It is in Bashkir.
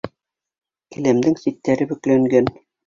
Келәмдең ситтәре бөкләнгән